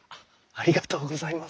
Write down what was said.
ありがとうございます。